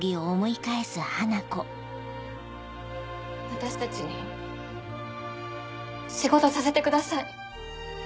私たちに仕事させてください。